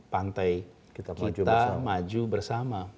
pantai kita maju bersama